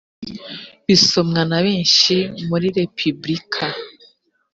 bisomwa na benshi muri repubulika